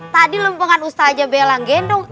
tadi lempungan ustaz jebella ngendong